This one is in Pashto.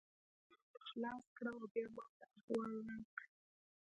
دا کارونه خلاص کړه او بیا ماته احوال راکړه